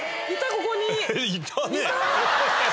ここに。